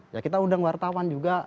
ya kita undang wartawan juga